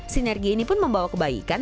sinergi ini pun membawa kebaikan